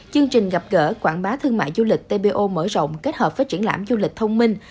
chương trình gặp gỡ quảng bá thương mại du lịch tpo mở rộng kết hợp với triển lãm du lịch thông minh